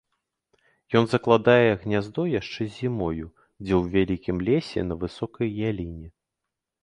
Ён закладае гняздо яшчэ зімою дзе ў вялікім лесе на высокай яліне.